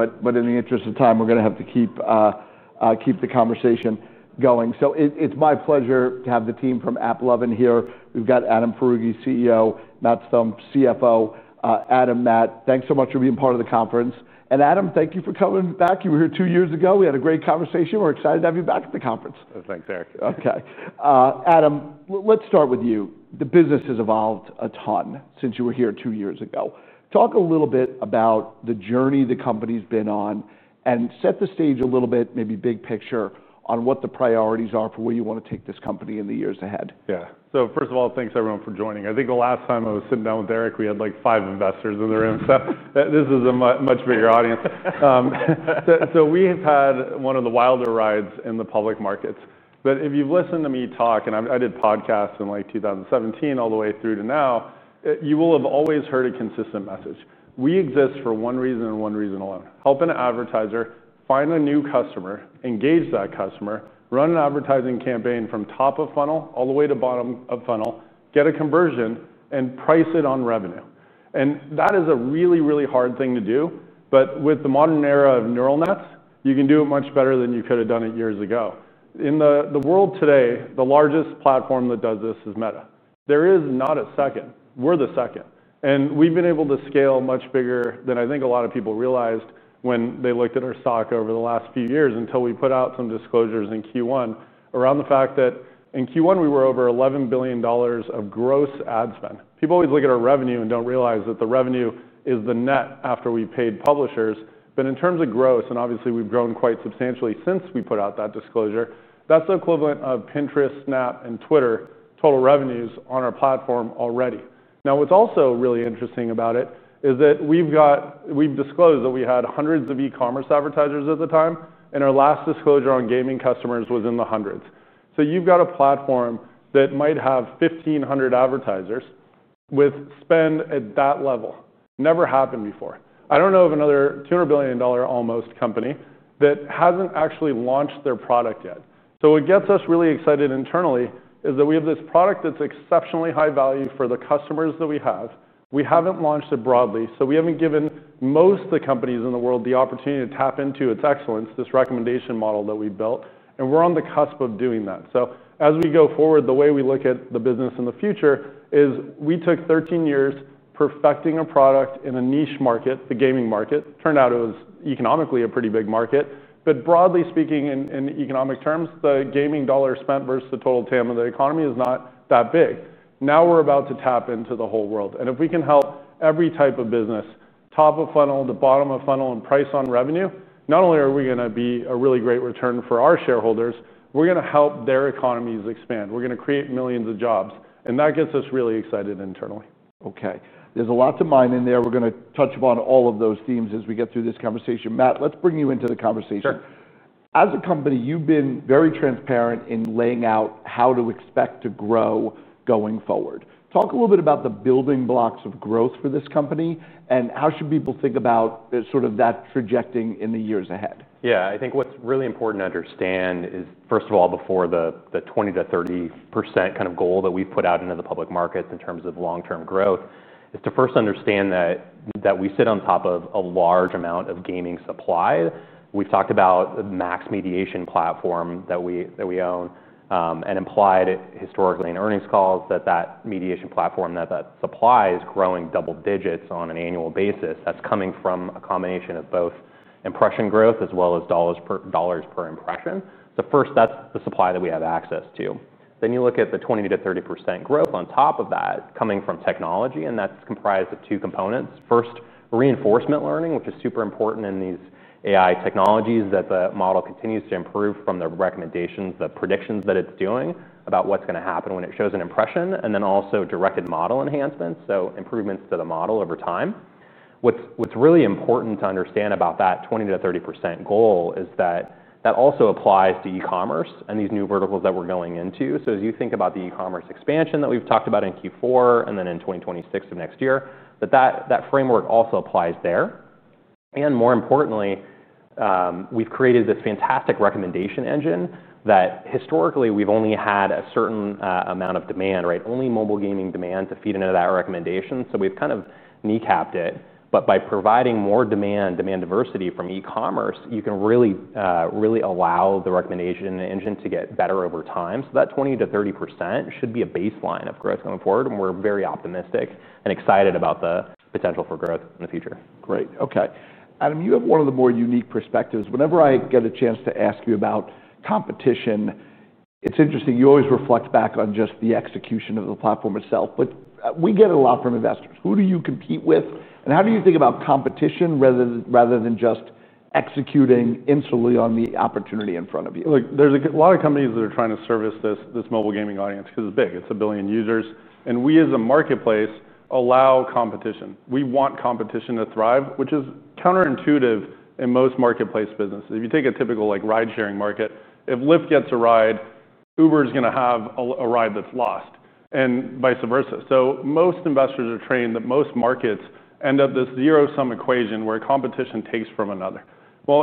In the interest of time, we're going to have to keep the conversation going. It's my pleasure to have the team from AppLovin here. We've got Adam Foroughi, CEO, and Matt Stumpf, CFO. Adam, Matt, thanks so much for being part of the conference. Adam, thank you for coming back. You were here two years ago. We had a great conversation. We're excited to have you back at the conference. Thanks, Eric. Okay. Adam, let's start with you. The business has evolved a ton since you were here two years ago. Talk a little bit about the journey the company's been on and set the stage a little bit, maybe big picture, on what the priorities are for where you want to take this company in the years ahead. Yeah. First of all, thanks everyone for joining. I think the last time I was sitting down with Eric, we had like five investors in the room. This is a much bigger audience. We have had one of the wilder rides in the public markets. If you've listened to me talk, and I did podcasts in 2017 all the way through to now, you will have always heard a consistent message. We exist for one reason and one reason alone: help an advertiser find a new customer, engage that customer, run an advertising campaign from top of funnel all the way to bottom of funnel, get a conversion, and price it on revenue. That is a really, really hard thing to do. With the modern era of neural nets, you can do it much better than you could have done it years ago. In the world today, the largest platform that does this is Meta. There is not a second. We're the second. We've been able to scale much bigger than I think a lot of people realized when they looked at our stock over the last few years until we put out some disclosures in Q1 around the fact that in Q1 we were over $11 billion of gross ad spend. People always look at our revenue and don't realize that the revenue is the net after we paid publishers. In terms of gross, and obviously we've grown quite substantially since we put out that disclosure, that's the equivalent of Pinterest, Snap, and Twitter total revenues on our platform already. What's also really interesting about it is that we've disclosed that we had hundreds of e-commerce advertisers at the time, and our last disclosure on gaming customers was in the hundreds. You've got a platform that might have 1,500 advertisers with spend at that level. Never happened before. I don't know of another $200 billion almost company that hasn't actually launched their product yet. What gets us really excited internally is that we have this product that's exceptionally high value for the customers that we have. We haven't launched it broadly, so we haven't given most of the companies in the world the opportunity to tap into its excellence, this recommendation model that we built. We're on the cusp of doing that. As we go forward, the way we look at the business in the future is we took 13 years perfecting a product in a niche market, the gaming market. Turned out it was economically a pretty big market. Broadly speaking, in economic terms, the gaming dollar spent versus the total TAM of the economy is not that big. Now we're about to tap into the whole world. If we can help every type of business, top of funnel to bottom of funnel, and price on revenue, not only are we going to be a really great return for our shareholders, we're going to help their economies expand. We're going to create millions of jobs. That gets us really excited internally. Okay, there's a lot to mine in there. We're going to touch upon all of those themes as we get through this conversation. Matt, let's bring you into the conversation. Sure. As a company, you've been very transparent in laying out how to expect to grow going forward. Talk a little bit about the building blocks of growth for this company and how should people think about that trajectory in the years ahead. Yeah, I think what's really important to understand is, first of all, before the 20% to 30% kind of goal that we've put out into the public markets in terms of long-term growth, is to first understand that we sit on top of a large amount of gaming supply. We've talked about the MAX mediation platform that we own and implied historically in earnings calls that that mediation platform, that that supply is growing double digits on an annual basis. That's coming from a combination of both impression growth as well as dollars per impression. First, that's the supply that we have access to. You look at the 20% to 30% growth on top of that coming from technology, and that's comprised of two components. First, reinforcement learning, which is super important in these AI technologies that the model continues to improve from the recommendations, the predictions that it's doing about what's going to happen when it shows an impression, and then also directed model enhancements, so improvements to the model over time. What's really important to understand about that 20% to 30% goal is that that also applies to e-commerce and these new verticals that we're going into. As you think about the e-commerce expansion that we've talked about in Q4 and then in 2026 of next year, that framework also applies there. More importantly, we've created this fantastic recommendation engine that historically we've only had a certain amount of demand, right? Only mobile gaming demand to feed into that recommendation. We've kind of kneecapped it. By providing more demand, demand diversity from e-commerce, you can really, really allow the recommendation engine to get better over time. That 20% to 30% should be a baseline of growth going forward. We're very optimistic and excited about the potential for growth in the future. Great. Okay. Adam, you have one of the more unique perspectives. Whenever I get a chance to ask you about competition, it's interesting. You always reflect back on just the execution of the platform itself. We get it a lot from investors. Who do you compete with? How do you think about competition rather than just executing instantly on the opportunity in front of you? There's a lot of companies that are trying to service this mobile gaming audience because it's big. It's a billion users. We as a marketplace allow competition. We want competition to thrive, which is counterintuitive in most marketplace businesses. If you take a typical ride-sharing market, if Lyft gets a ride, Uber's going to have a ride that's lost and vice versa. Most investors are trained that most markets end up this zero-sum equation where competition takes from another.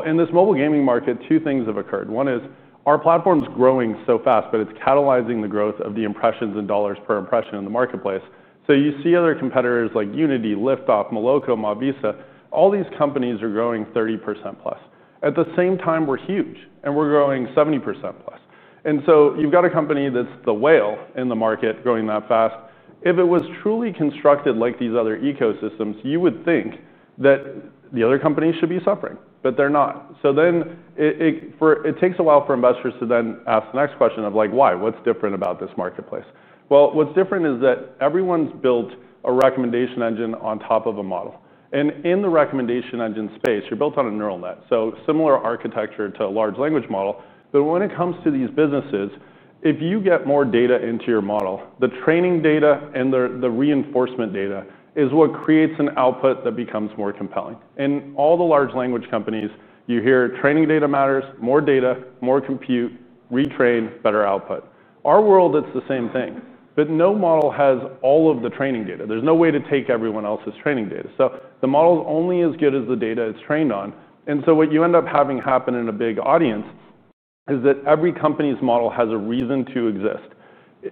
In this mobile gaming market, two things have occurred. One is our platform's growing so fast, but it's catalyzing the growth of the impressions and dollars per impression in the marketplace. You see other competitors like Unity, Liftoff, Moloco, Mobisa, all these companies are growing 30% plus. At the same time, we're huge and we're growing 70% plus. You've got a company that's the whale in the market growing that fast. If it was truly constructed like these other ecosystems, you would think that the other companies should be suffering, but they're not. It takes a while for investors to then ask the next question of why. What's different about this marketplace? What's different is that everyone's built a recommendation engine on top of a model. In the recommendation engine space, you're built on a neural net, so similar architecture to a large language model. When it comes to these businesses, if you get more data into your model, the training data and the reinforcement data is what creates an output that becomes more compelling. In all the large language companies, you hear training data matters, more data, more compute, retrain, better output. Our world, it's the same thing. No model has all of the training data. There's no way to take everyone else's training data. The model's only as good as the data it's trained on. What you end up having happen in a big audience is that every company's model has a reason to exist.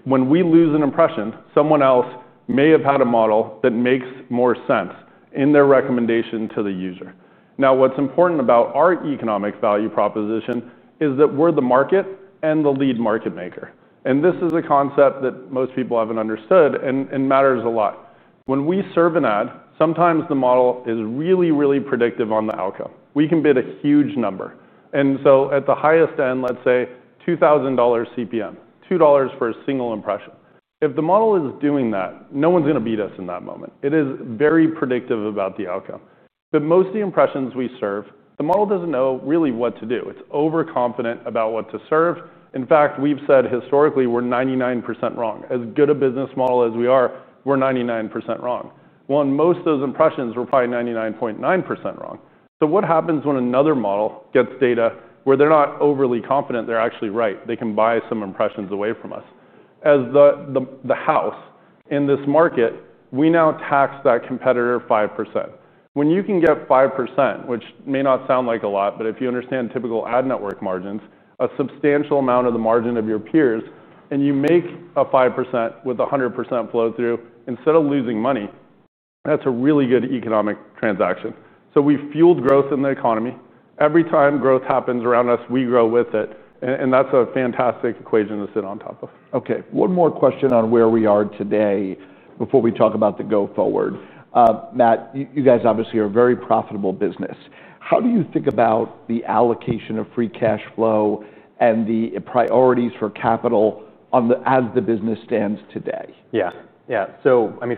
When we lose an impression, someone else may have had a model that makes more sense in their recommendation to the user. What's important about our economic value proposition is that we're the market and the lead market maker. This is a concept that most people haven't understood and matters a lot. When we serve an ad, sometimes the model is really, really predictive on the outcome. We can bid a huge number. At the highest end, let's say $2,000 CPM, $2 for a single impression. If the model is doing that, no one's going to beat us in that moment. It is very predictive about the outcome. Most of the impressions we serve, the model doesn't know really what to do. It's overconfident about what to serve. In fact, we've said historically we're 99% wrong. As good a business model as we are, we're 99% wrong. In most of those impressions, we're probably 99.9% wrong. What happens when another model gets data where they're not overly confident they're actually right? They can buy some impressions away from us. As the house in this market, we now tax that competitor 5%. When you can get 5%, which may not sound like a lot, if you understand typical ad network margins, a substantial amount of the margin of your peers, and you make a 5% with 100% flow-through instead of losing money, that's a really good economic transaction. We've fueled growth in the economy. Every time growth happens around us, we grow with it. That's a fantastic equation to sit on top of. Okay. One more question on where we are today before we talk about the go-forward. Matt, you guys obviously are a very profitable business. How do you think about the allocation of free cash flow and the priorities for capital as the business stands today? Yeah, yeah.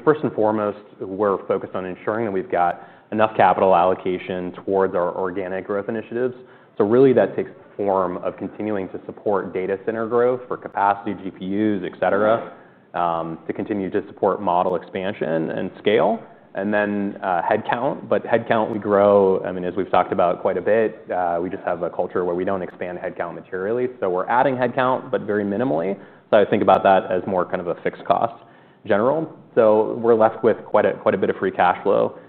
First and foremost, we're focused on ensuring that we've got enough capital allocation towards our organic growth initiatives. That takes the form of continuing to support data center growth for capacity, GPUs, et cetera, to continue to support model expansion and scale, and then headcount. Headcount, we grow, I mean, as we've talked about quite a bit, we just have a culture where we don't expand headcount materially. We're adding headcount, but very minimally. I think about that as more kind of a fixed cost general. We're left with quite a bit of free cash flow.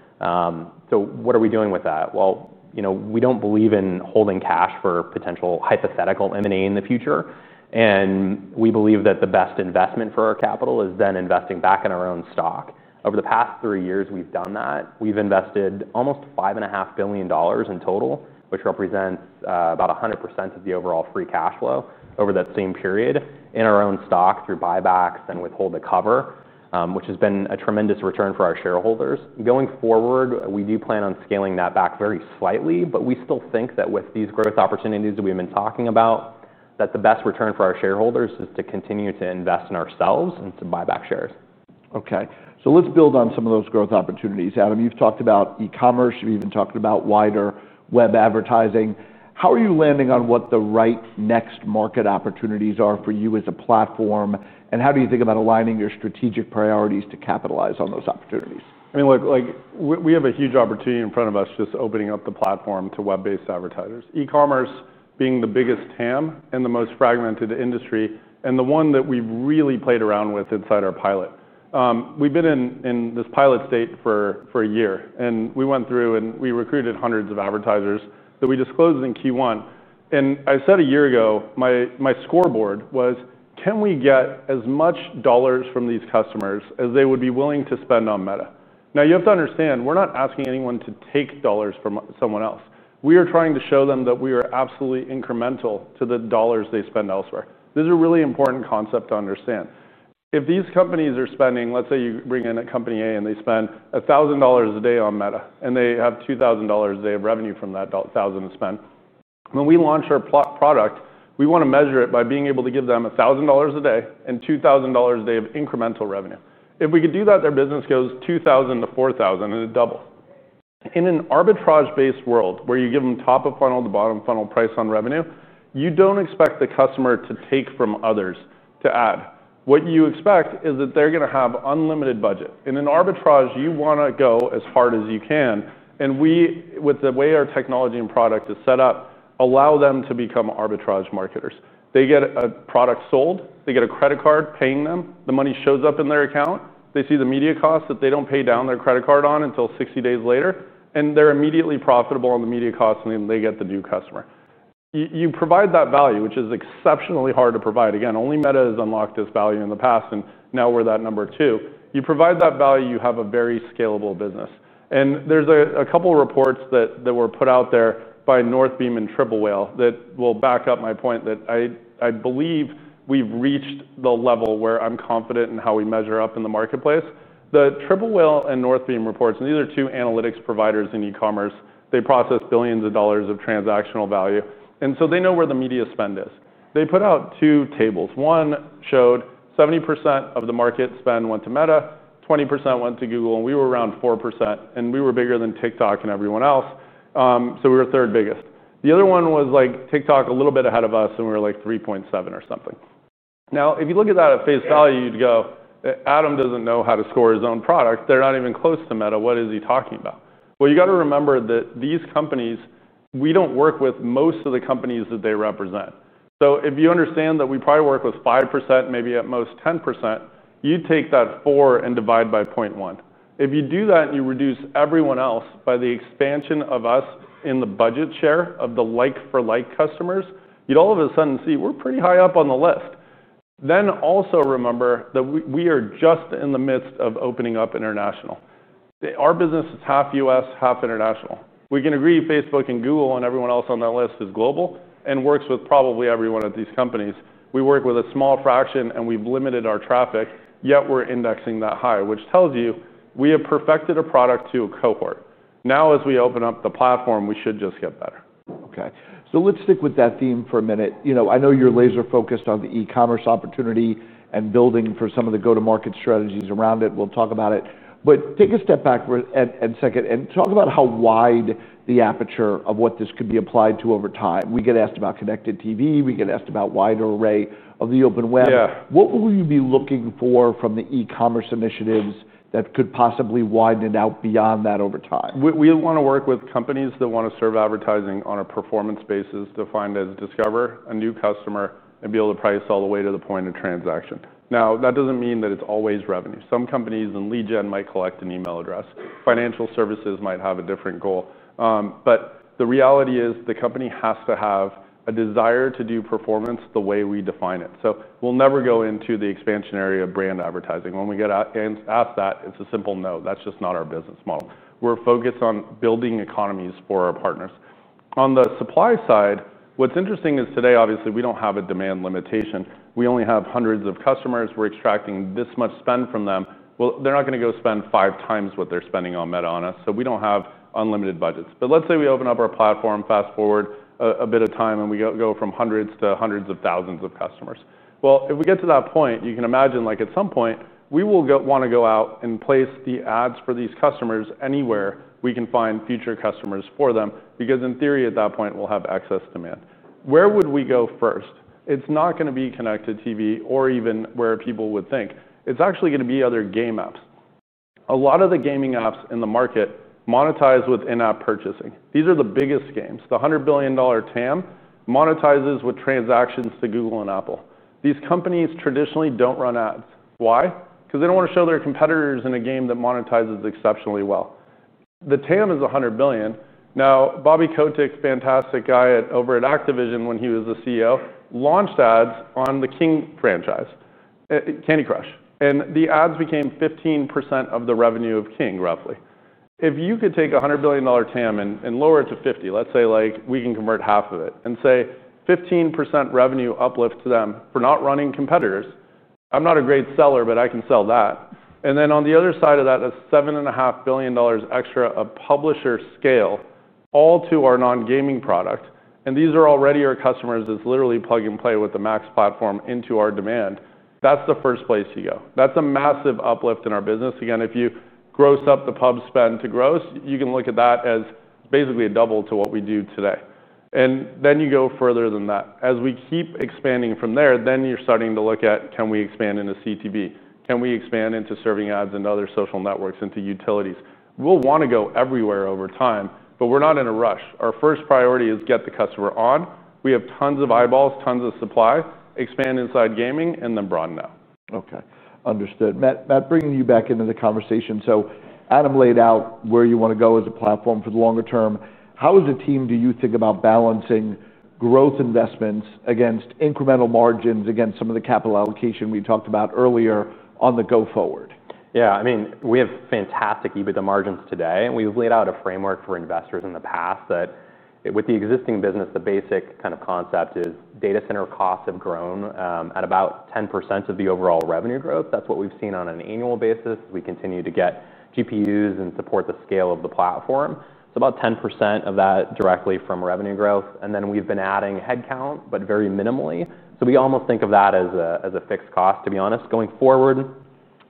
What are we doing with that? We don't believe in holding cash for potential hypothetical M&A in the future. We believe that the best investment for our capital is then investing back in our own stock. Over the past three years, we've done that. We've invested almost $5.5 billion in total, which represents about 100% of the overall free cash flow over that same period in our own stock through buybacks and withhold to cover, which has been a tremendous return for our shareholders. Going forward, we do plan on scaling that back very slightly, but we still think that with these growth opportunities that we've been talking about, the best return for our shareholders is to continue to invest in ourselves and to buy back shares. Okay. Let's build on some of those growth opportunities. Adam, you've talked about e-commerce. We've even talked about wider web advertising. How are you landing on what the right next market opportunities are for you as a platform? How do you think about aligning your strategic priorities to capitalize on those opportunities? I mean, look, we have a huge opportunity in front of us just opening up the platform to web-based advertisers. E-commerce being the biggest TAM and the most fragmented industry and the one that we've really played around with inside our pilot. We've been in this pilot state for a year. We went through and we recruited hundreds of advertisers that we disclosed in Q1. I said a year ago, my scoreboard was, can we get as much dollars from these customers as they would be willing to spend on Meta? Now you have to understand, we're not asking anyone to take dollars from someone else. We are trying to show them that we are absolutely incremental to the dollars they spend elsewhere. This is a really important concept to understand. If these companies are spending, let's say you bring in a company A and they spend $1,000 a day on Meta and they have $2,000 a day of revenue from that $1,000 spend. When we launch our product, we want to measure it by being able to give them $1,000 a day and $2,000 a day of incremental revenue. If we could do that, their business goes $2,000 to $4,000 and it doubles. In an arbitrage-based world where you give them top of funnel to bottom funnel price on revenue, you don't expect the customer to take from others to add. What you expect is that they're going to have unlimited budget. In an arbitrage, you want to go as hard as you can. We, with the way our technology and product is set up, allow them to become arbitrage marketers. They get a product sold. They get a credit card paying them. The money shows up in their account. They see the media costs that they don't pay down their credit card on until 60 days later. They're immediately profitable on the media costs, and then they get the new customer. You provide that value, which is exceptionally hard to provide. Again, only Meta has unlocked this value in the past, and now we're that number two. You provide that value, you have a very scalable business. There are a couple of reports that were put out there by Northbeam and Triple Whale that will back up my point that I believe we've reached the level where I'm confident in how we measure up in the marketplace. The Triple Whale and Northbeam reports, and these are two analytics providers in e-commerce, they process billions of dollars of transactional value. They know where the media spend is. They put out two tables. One showed 70% of the market spend went to Meta, 20% went to Google, and we were around 4%. We were bigger than TikTok and everyone else. We were third biggest. The other one was like TikTok a little bit ahead of us, and we were like 3.7 or something. If you look at that at face value, you'd go, Adam doesn't know how to score his own product. They're not even close to Meta. What is he talking about? You have to remember that these companies, we don't work with most of the companies that they represent. If you understand that we probably work with 5%, maybe at most 10%, you'd take that 4 and divide by 0.1. If you do that and you reduce everyone else by the expansion of us in the budget share of the like-for-like customers, you'd all of a sudden see we're pretty high up on the list. Also remember that we are just in the midst of opening up international. Our business is half U.S., half international. We can agree Facebook and Google and everyone else on that list is global and works with probably everyone at these companies. We work with a small fraction and we've limited our traffic, yet we're indexing that high, which tells you we have perfected a product to a cohort. As we open up the platform, we should just get better. Okay, let's stick with that theme for a minute. I know you're laser-focused on the e-commerce opportunity and building for some of the go-to-market strategies around it. We'll talk about it. Take a step back for a second and talk about how wide the aperture of what this could be applied to over time. We get asked about connected TV. We get asked about a wider array of the open web. What will you be looking for from the e-commerce initiatives that could possibly widen it out beyond that over time? We want to work with companies that want to serve advertising on a performance basis defined as discover a new customer and be able to price all the way to the point of transaction. That doesn't mean that it's always revenue. Some companies in lead gen might collect an email address. Financial services might have a different goal. The reality is the company has to have a desire to do performance the way we define it. We'll never go into the expansion area of brand advertising. When we get asked that, it's a simple no. That's just not our business model. We're focused on building economies for our partners. On the supply side, what's interesting is today, obviously, we don't have a demand limitation. We only have hundreds of customers. We're extracting this much spend from them. They're not going to go spend five times what they're spending on Meta on us. We don't have unlimited budgets. Let's say we open up our platform, fast forward a bit of time, and we go from hundreds to hundreds of thousands of customers. If we get to that point, you can imagine at some point, we will want to go out and place the ads for these customers anywhere we can find future customers for them. In theory, at that point, we'll have excess demand. Where would we go first? It's not going to be connected TV or even where people would think. It's actually going to be other game apps. A lot of the gaming apps in the market monetize with in-app purchasing. These are the biggest games. The $100 billion TAM monetizes with transactions to Google and Apple. These companies traditionally don't run ads. Why? Because they don't want to show their competitors in a game that monetizes exceptionally well. The TAM is $100 billion. Now, Bobby Kotick, fantastic guy over at Activision when he was the CEO, launched ads on the King franchise, Candy Crush. The ads became 15% of the revenue of King, roughly. If you could take a $100 billion TAM and lower it to $50 billion, let's say we can convert half of it and say 15% revenue uplift to them for not running competitors. I'm not a great seller, but I can sell that. On the other side of that, that's $7.5 billion extra of publisher scale all to our non-gaming product. These are already our customers that literally plug and play with the MAX platform into our demand. That's the first place you go. That's a massive uplift in our business. If you gross up the pub spend to gross, you can look at that as basically a double to what we do today. You go further than that. As we keep expanding from there, you're starting to look at, can we expand into CTV? Can we expand into serving ads in other social networks, into utilities? We'll want to go everywhere over time, but we're not in a rush. Our first priority is get the customer on. We have tons of eyeballs, tons of supply, expand inside gaming, and then broaden out. Okay. Understood. Matt, bringing you back into the conversation. Adam laid out where you want to go as a platform for the longer term. How as a team do you think about balancing growth investments against incremental margins against some of the capital allocation we talked about earlier on the go-forward? Yeah, I mean, we have fantastic EBITDA margins today. We've laid out a framework for investors in the past that with the existing business, the basic kind of concept is data center costs have grown at about 10% of the overall revenue growth. That's what we've seen on an annual basis. We continue to get GPUs and support the scale of the platform. It's about 10% of that directly from revenue growth. We've been adding headcount, but very minimally. We almost think of that as a fixed cost, to be honest. Going forward,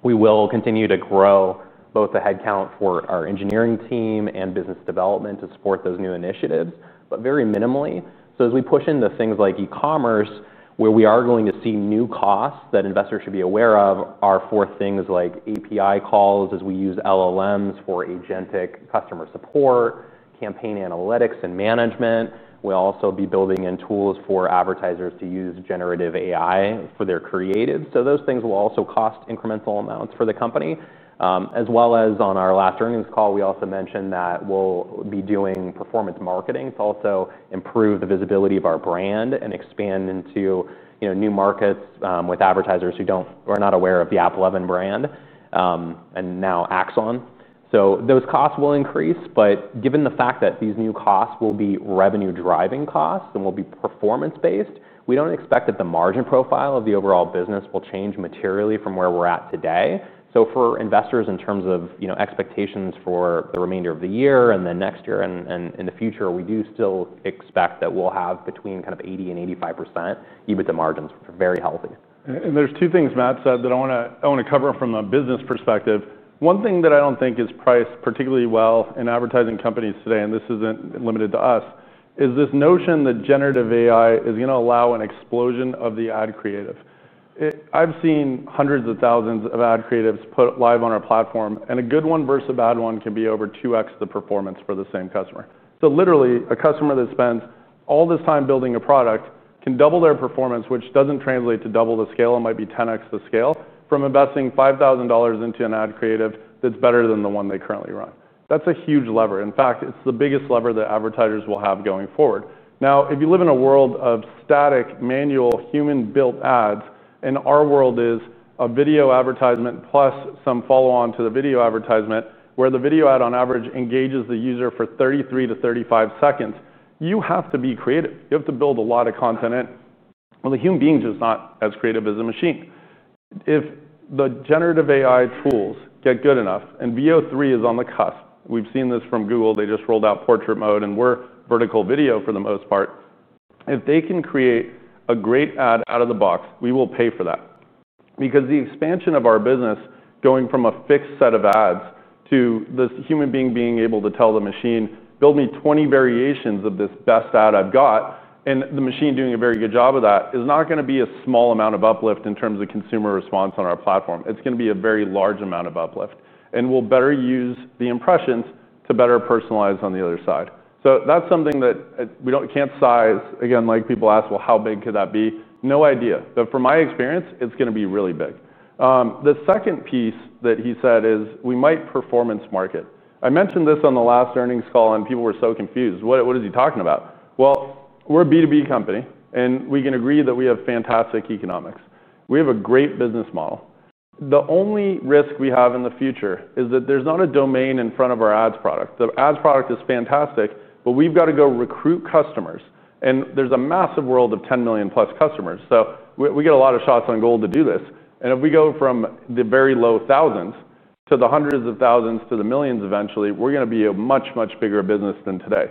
we will continue to grow both the headcount for our engineering team and business development to support those new initiatives, but very minimally. As we push into things like e-commerce, where we are going to see new costs that investors should be aware of, those are for things like API calls, as we use LLMs for agentic customer support, campaign analytics, and management. We'll also be building in tools for advertisers to use generative AI for their creatives. Those things will also cost incremental amounts for the company. As well as on our last earnings call, we also mentioned that we'll be doing performance marketing to also improve the visibility of our brand and expand into new markets with advertisers who are not aware of the AppLovin brand and now Axon. Those costs will increase, but given the fact that these new costs will be revenue-driving costs and will be performance-based, we don't expect that the margin profile of the overall business will change materially from where we're at today. For investors in terms of expectations for the remainder of the year and the next year and in the future, we do still expect that we'll have between kind of 80 and 85% EBITDA margins which are very healthy. There are two things Matt said that I want to cover from a business perspective. One thing that I don't think is priced particularly well in advertising companies today, and this isn't limited to us, is this notion that generative AI is going to allow an explosion of the ad creative. I've seen hundreds of thousands of ad creatives put live on our platform, and a good one versus a bad one can be over 2x the performance for the same customer. Literally, a customer that spends all this time building a product can double their performance, which doesn't translate to double the scale. It might be 10x the scale from investing $5,000 into an ad creative that's better than the one they currently run. That's a huge lever. In fact, it's the biggest lever that advertisers will have going forward. If you live in a world of static, manual, human-built ads, and our world is a video advertisement plus some follow-on to the video advertisement where the video ad on average engages the user for 33 to 35 seconds, you have to be creative. You have to build a lot of content in. The human being is just not as creative as a machine. If the generative AI tools get good enough and VO3 is on the cusp, we've seen this from Google. They just rolled out portrait mode and we're vertical video for the most part. If they can create a great ad out of the box, we will pay for that. The expansion of our business going from a fixed set of ads to this human being being able to tell the machine, "Build me 20 variations of this best ad I've got," and the machine doing a very good job of that is not going to be a small amount of uplift in terms of consumer response on our platform. It's going to be a very large amount of uplift. We will better use the impressions to better personalize on the other side. That's something that we can't size. People ask, "How big could that be?" No idea. From my experience, it's going to be really big. The second piece that he said is we might performance market. I mentioned this on the last earnings call and people were so confused. What is he talking about? We're a B2B company and we can agree that we have fantastic economics. We have a great business model. The only risk we have in the future is that there's not a domain in front of our ads product. The ads product is fantastic, but we've got to go recruit customers. There's a massive world of 10 million plus customers. We get a lot of shots on goal to do this. If we go from the very low thousands to the hundreds of thousands to the millions eventually, we're going to be a much, much bigger business than today.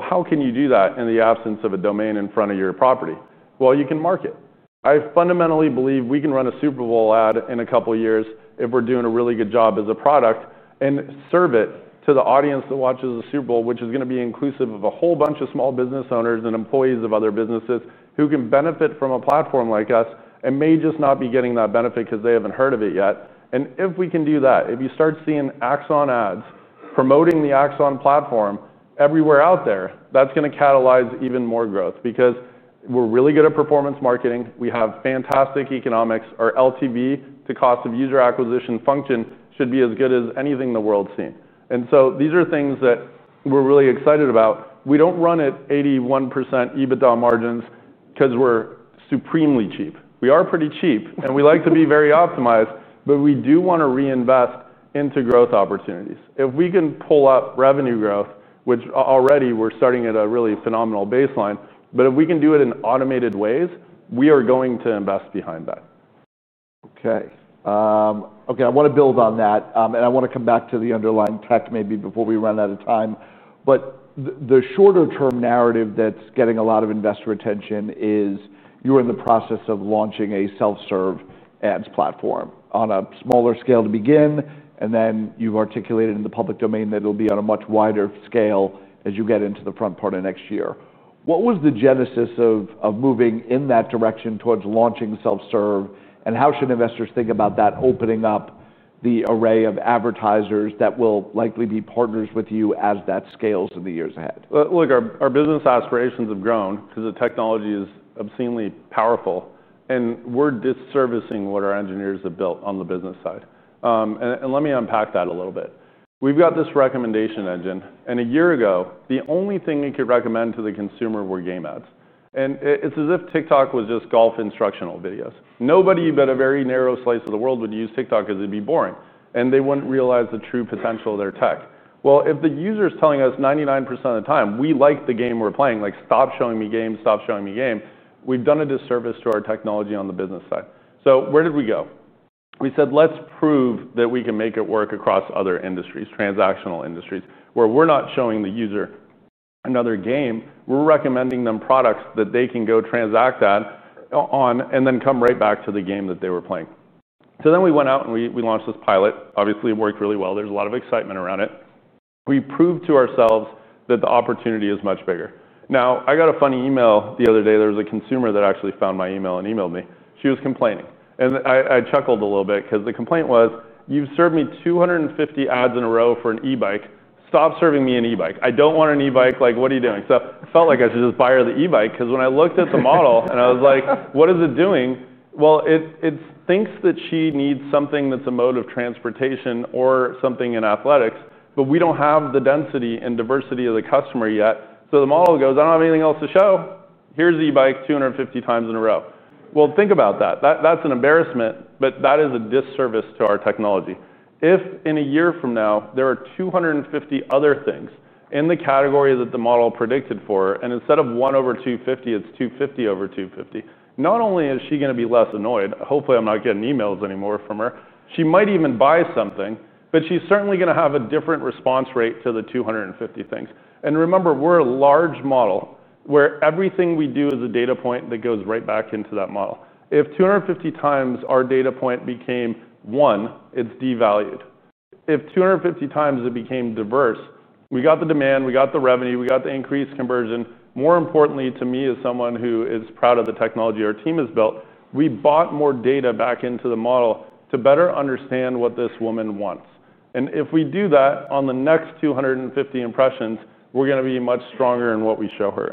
How can you do that in the absence of a domain in front of your property? You can market. I fundamentally believe we can run a Super Bowl ad in a couple of years if we're doing a really good job as a product and serve it to the audience that watches the Super Bowl, which is going to be inclusive of a whole bunch of small business owners and employees of other businesses who can benefit from a platform like us and may just not be getting that benefit because they haven't heard of it yet. If we can do that, if you start seeing Axon ads promoting the Axon platform everywhere out there, that's going to catalyze even more growth because we're really good at performance marketing. We have fantastic economics. Our LTV, the cost of user acquisition function, should be as good as anything the world's seen. These are things that we're really excited about. We don't run at 81% EBITDA margins because we're supremely cheap. We are pretty cheap and we like to be very optimized, but we do want to reinvest into growth opportunities. If we can pull up revenue growth, which already we're starting at a really phenomenal baseline, if we can do it in automated ways, we are going to invest behind that. Okay, I want to build on that and I want to come back to the underlying tech maybe before we run out of time. The shorter-term narrative that's getting a lot of investor attention is you're in the process of launching a self-serve ads platform on a smaller scale to begin, and then you've articulated in the public domain that it'll be on a much wider scale as you get into the front part of next year. What was the genesis of moving in that direction towards launching self-serve, and how should investors think about that opening up the array of advertisers that will likely be partners with you as that scales in the years ahead? Look, our business aspirations have grown because the technology is obscenely powerful, and we're disservicing what our engineers have built on the business side. Let me unpack that a little bit. We've got this recommendation engine, and a year ago, the only thing we could recommend to the consumer were game ads. It's as if TikTok was just golf instructional videos. Nobody but a very narrow slice of the world would use TikTok because it'd be boring, and they wouldn't realize the true potential of their tech. If the user is telling us 99% of the time, "We like the game we're playing," like, "Stop showing me game, stop showing me game," we've done a disservice to our technology on the business side. Where did we go? We said, "Let's prove that we can make it work across other industries, transactional industries, where we're not showing the user another game. We're recommending them products that they can go transact on and then come right back to the game that they were playing." We went out and we launched this pilot. Obviously, it worked really well. There's a lot of excitement around it. We proved to ourselves that the opportunity is much bigger. I got a funny email the other day. There was a consumer that actually found my email and emailed me. She was complaining, and I chuckled a little bit because the complaint was, "You've served me 250 ads in a row for an e-bike. Stop serving me an e-bike. I don't want an e-bike. Like, what are you doing?" I felt like I should just buy her the e-bike because when I looked at the model and I was like, "What is it doing?" It thinks that she needs something that's a mode of transportation or something in athletics, but we don't have the density and diversity of the customer yet. The model goes, "I don't have anything else to show. Here's the e-bike 250 times in a row." Think about that. That's an embarrassment, but that is a disservice to our technology. If in a year from now there are 250 other things in the category that the model predicted for, and instead of one over 250, it's 250 over 250, not only is she going to be less annoyed, hopefully I'm not getting emails anymore from her, she might even buy something, but she's certainly going to have a different response rate to the 250 things. Remember, we're a large model where everything we do is a data point that goes right back into that model. If 250 times our data point became one, it's devalued. If 250 times it became diverse, we got the demand, we got the revenue, we got the increased conversion. More importantly, to me, as someone who is proud of the technology our team has built, we brought more data back into the model to better understand what this woman wants. If we do that on the next 250 impressions, we're going to be much stronger in what we show her.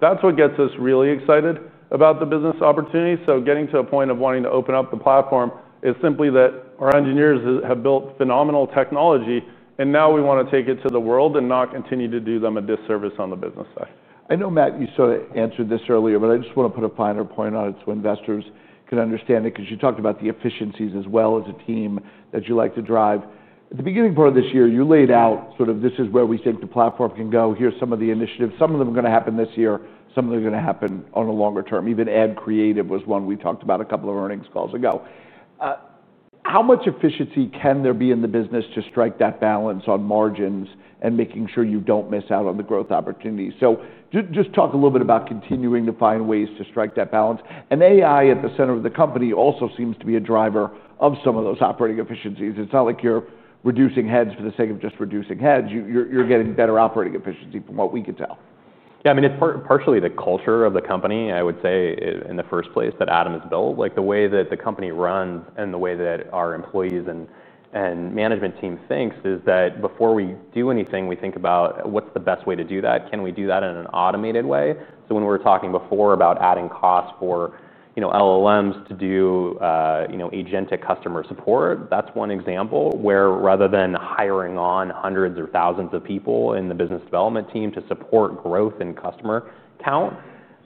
That is what gets us really excited about the business opportunity. Getting to a point of wanting to open up the platform is simply that our engineers have built phenomenal technology, and now we want to take it to the world and not continue to do them a disservice on the business side. I know, Matt, you sort of answered this earlier, but I just want to put a finer point on it so investors can understand it because you talked about the efficiencies as well as a team that you like to drive. At the beginning part of this year, you laid out sort of this is where we think the platform can go. Here are some of the initiatives. Some of them are going to happen this year. Some of them are going to happen on a longer term. Even ad creative was one we talked about a couple of earnings calls ago. How much efficiency can there be in the business to strike that balance on margins and making sure you don't miss out on the growth opportunities? Please talk a little bit about continuing to find ways to strike that balance. AI at the center of the company also seems to be a driver of some of those operating efficiencies. It's not like you're reducing heads for the sake of just reducing heads. You're getting better operating efficiency from what we could tell. Yeah, I mean, it's partially the culture of the company, I would say, in the first place that Adam has built. The way that the company runs and the way that our employees and management team thinks is that before we do anything, we think about what's the best way to do that. Can we do that in an automated way? When we were talking before about adding costs for LLMs to do agentic customer support, that's one example where rather than hiring on hundreds or thousands of people in the business development team to support growth in customer count,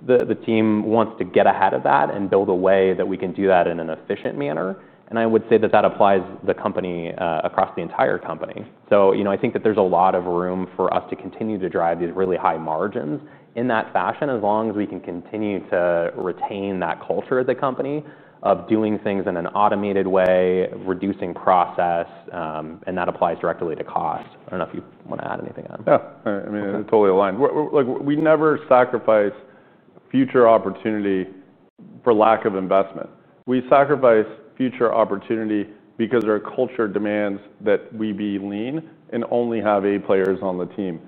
the team wants to get ahead of that and build a way that we can do that in an efficient manner. I would say that that applies to the company across the entire company. I think that there's a lot of room for us to continue to drive these really high margins in that fashion as long as we can continue to retain that culture of the company of doing things in an automated way, reducing process, and that applies directly to cost. I don't know if you want to add anything on. Yeah, I mean, it's totally aligned. We never sacrifice future opportunity for lack of investment. We sacrifice future opportunity because our culture demands that we be lean and only have eight players on the team.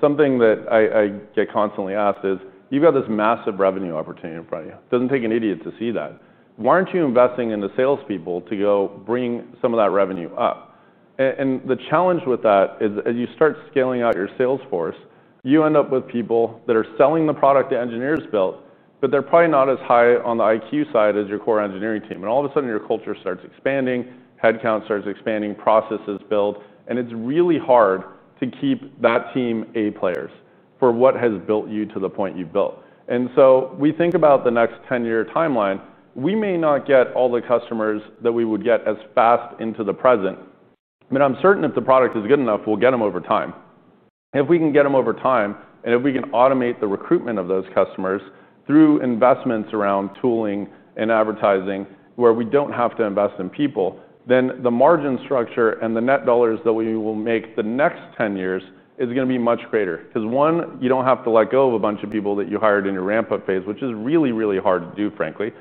Something that I get constantly asked is, you've got this massive revenue opportunity in front of you. It doesn't take an idiot to see that. Why aren't you investing in the salespeople to go bring some of that revenue up? The challenge with that is as you start scaling out your sales force, you end up with people that are selling the product the engineers built, but they're probably not as high on the IQ side as your core engineering team. All of a sudden, your culture starts expanding, headcount starts expanding, processes build, and it's really hard to keep that team eight players for what has built you to the point you've built. We think about the next 10-year timeline. We may not get all the customers that we would get as fast into the present, but I'm certain if the product is good enough, we'll get them over time. If we can get them over time and if we can automate the recruitment of those customers through investments around tooling and advertising where we don't have to invest in people, then the margin structure and the net dollars that we will make the next 10 years is going to be much greater because, one, you don't have to let go of a bunch of people that you hired in your ramp-up phase, which is really, really hard to do, frankly.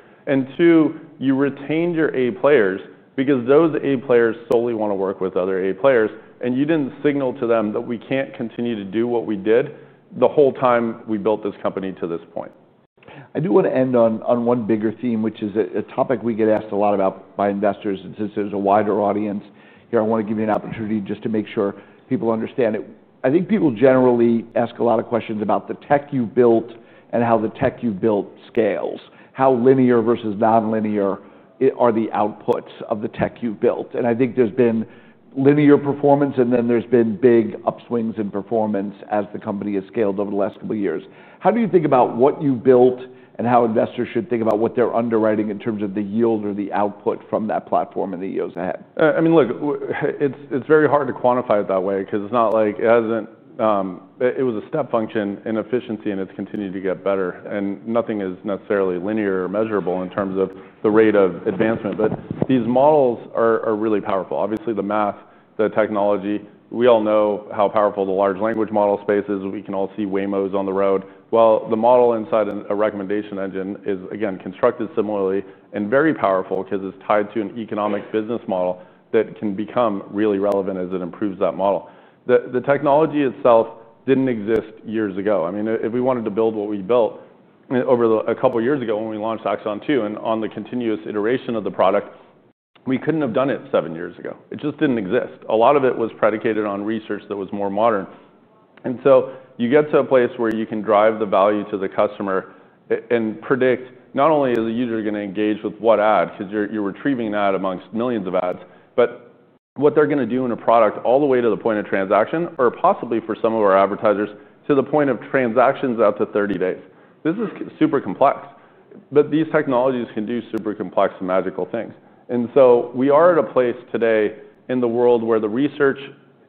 Two, you retained your eight players because those eight players solely want to work with other eight players and you didn't signal to them that we can't continue to do what we did the whole time we built this company to this point. I do want to end on one bigger theme, which is a topic we get asked a lot about by investors. Since there's a wider audience here, I want to give you an opportunity just to make sure people understand it. I think people generally ask a lot of questions about the tech you've built and how the tech you've built scales. How linear versus non-linear are the outputs of the tech you've built? I think there's been linear performance and then there's been big upswings in performance as the company has scaled over the last couple of years. How do you think about what you've built and how investors should think about what they're underwriting in terms of the yield or the output from that platform in the years ahead? I mean, look, it's very hard to quantify it that way because it's not like it hasn't. It was a step function in efficiency, and it's continued to get better. Nothing is necessarily linear or measurable in terms of the rate of advancement. These models are really powerful. Obviously, the math, the technology, we all know how powerful the large language model space is. We can all see Waymos on the road. The model inside a recommendation engine is, again, constructed similarly and very powerful because it's tied to an economic business model that can become really relevant as it improves that model. The technology itself didn't exist years ago. If we wanted to build what we built over a couple of years ago when we launched Axon 2.0 and on the continuous iteration of the product, we couldn't have done it seven years ago. It just didn't exist. A lot of it was predicated on research that was more modern. You get to a place where you can drive the value to the customer and predict not only is the user going to engage with what ad, because you're retrieving that amongst millions of ads, but what they're going to do in a product all the way to the point of transaction, or possibly for some of our advertisers, to the point of transactions out to 30 days. This is super complex, but these technologies can do super complex and magical things. We are at a place today in the world where the research,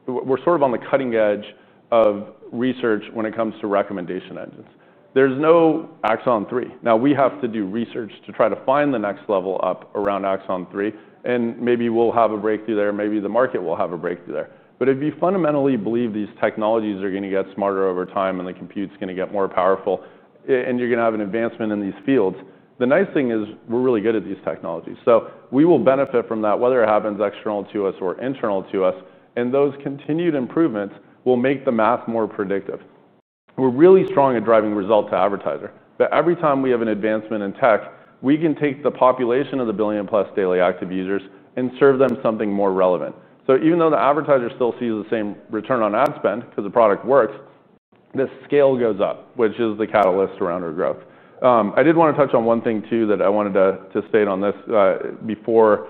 we're sort of on the cutting edge of research when it comes to recommendation engines. There's no Axon 3.0. Now we have to do research to try to find the next level up around Axon 3.0, and maybe we'll have a breakthrough there. Maybe the market will have a breakthrough there. If you fundamentally believe these technologies are going to get smarter over time and the compute's going to get more powerful and you're going to have an advancement in these fields, the nice thing is we're really good at these technologies. We will benefit from that, whether it happens external to us or internal to us. Those continued improvements will make the math more predictive. We're really strong at driving result to advertiser. Every time we have an advancement in tech, we can take the population of the billion plus daily active users and serve them something more relevant. Even though the advertiser still sees the same return on ad spend because the product works, the scale goes up, which is the catalyst around our growth. I did want to touch on one thing too that I wanted to state on this before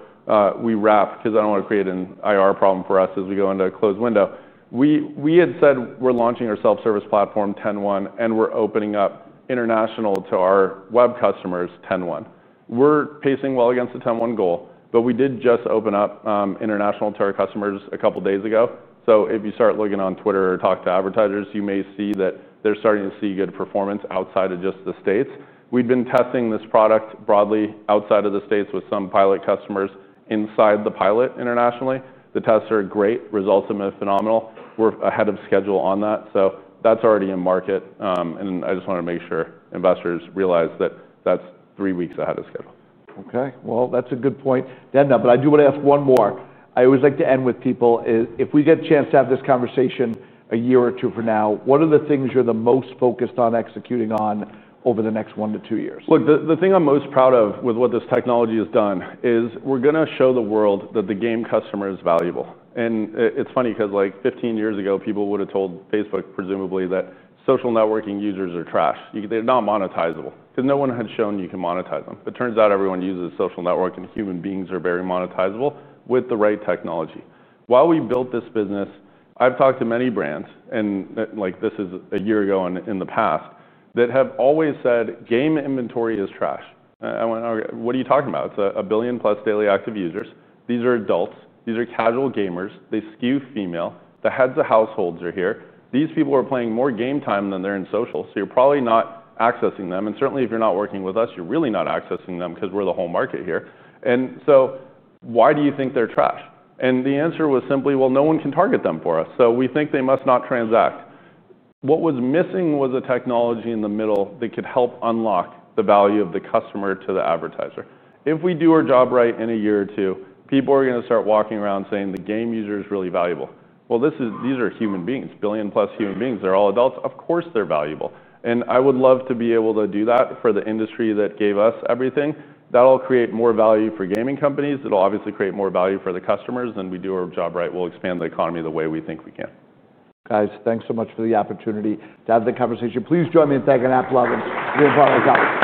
we wrap, because I don't want to create an IR problem for us as we go into a closed window. We had said we're launching our self-serve ads platform, 10/1, and we're opening up international to our web customers, 10/1. We're pacing well against the 10/1 goal, but we did just open up international to our customers a couple of days ago. If you start looking on Twitter or talk to advertisers, you may see that they're starting to see good performance outside of just the States. We've been testing this product broadly outside of the States with some pilot customers inside the pilot internationally. The tests are great. Results have been phenomenal. We're ahead of schedule on that. That's already in market. I just want to make sure investors realize that that's three weeks ahead of schedule. Okay, that's a good point. I do want to ask one more. I always like to end with people, if we get a chance to have this conversation a year or two from now, what are the things you're the most focused on executing on over the next one to two years? Look, the thing I'm most proud of with what this technology has done is we're going to show the world that the game customer is valuable. It's funny because like 15 years ago, people would have told Facebook, presumably, that social networking users are trash. They're not monetizable because no one had shown you can monetize them. It turns out everyone uses social networking, and human beings are very monetizable with the right technology. While we've built this business, I've talked to many brands, like this is a year ago in the past, that have always said game inventory is trash. I went, "Okay, what are you talking about? It's a billion plus daily active users. These are adults. These are casual gamers. They skew female. The heads of households are here. These people are playing more game time than they're in social. You're probably not accessing them. Certainly, if you're not working with us, you're really not accessing them because we're the whole market here. Why do you think they're trash?" The answer was simply, "Well, no one can target them for us. We think they must not transact." What was missing was a technology in the middle that could help unlock the value of the customer to the advertiser. If we do our job right in a year or two, people are going to start walking around saying the game user is really valuable. These are human beings, billion plus human beings. They're all adults. Of course, they're valuable. I would love to be able to do that for the industry that gave us everything. That'll create more value for gaming companies. It will obviously create more value for the customers. If we do our job right, we'll expand the economy the way we think we can. Guys, thanks so much for the opportunity to have the conversation. Please join me in thanking AppLovin for being part of the call.